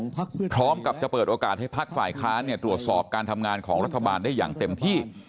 พร้อมกับจะเปิดโอกาสให้พักฝ่ายค้านเนี่ยตรวจสอบการทำงานของรัฐบาลได้อย่างเต็มที่